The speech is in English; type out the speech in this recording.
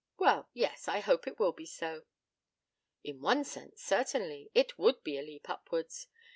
'Well, yes; I hope it will be so.' 'In one sense, certainly, it would be a leap upwards.